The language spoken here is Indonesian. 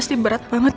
si buruk rupa